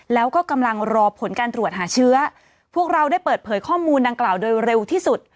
แล้วก็กำลังรอผลการตรวจหาเชื้อพวกเราได้เปิดเผยข้อมูลดังกล่าวโดยเร็วที่สุด